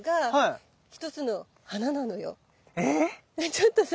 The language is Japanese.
⁉ちょっとさ